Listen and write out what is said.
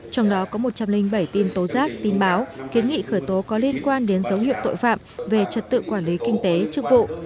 trong đó có một trăm linh bảy tin tố giác tin báo kiến nghị khởi tố có liên quan đến dấu hiệu tội phạm về trật tự quản lý kinh tế chức vụ